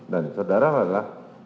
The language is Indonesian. dan saudara adalah